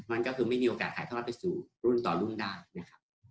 มันก็คือไม่มีโอกาสถ่ายทอดไปสู่รุ่นต่อรุ่นได้นะครับ